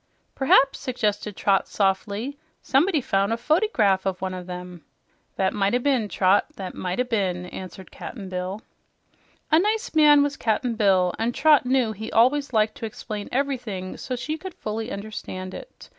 "P'raps," suggested Trot softly, "someone found a fotygraph of one of 'em." "That might o' been, Trot, that might o' been," answered Cap'n Bill. A nice man was Cap'n Bill, and Trot knew he always liked to explain everything so she could fully understand it.